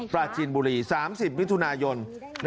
ปลาจีนบุรีสามสิบวิทุนายน